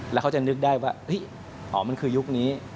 แล้วเขาจะนึกได้ว่าอ๋อมันคือยุคนี้